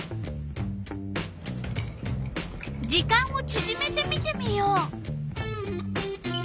時間をちぢめて見てみよう。